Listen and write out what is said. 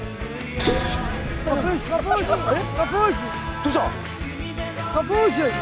どうした？